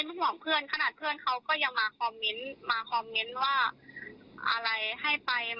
ห่วงเพื่อนขนาดเพื่อนเขาก็ยังมาคอมเมนต์มาคอมเมนต์ว่าอะไรให้ไป